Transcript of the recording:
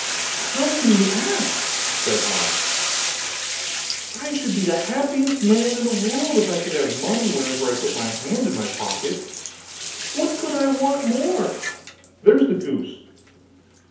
'How can you ask?' said Hans; 'I should be the happiest man in the world, if I could have money whenever I put my hand in my pocket: what could I want more? there's the goose.